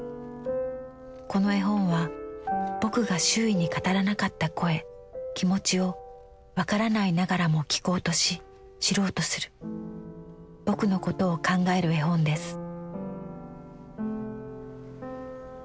この絵本は『ぼく』が周囲に語らなかった声気持ちをわからないながらも聞こうとし知ろうとする『ぼく』のことを考える絵本です」。